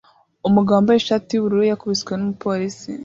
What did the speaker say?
Umugabo wambaye ishati yubururu yakubiswe numupolisi